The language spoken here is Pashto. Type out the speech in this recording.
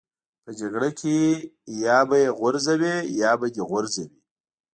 په جګړه کې یا به یې غورځوې یا به دې غورځوي